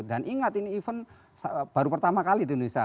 dan ingat ini event baru pertama kali di indonesia